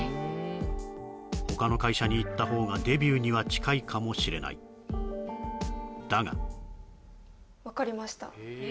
他の会社に行った方がデビューには近いかもしれないだが分かりました